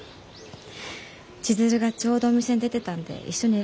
千鶴がちょうどお店に出てたんで一緒に選んでもらいましたよ。